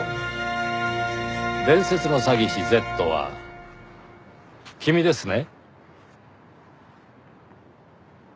伝説の詐欺師Ｚは君ですね？